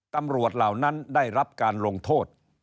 ตำรวจเหล่านั้นได้รับการลงโทษ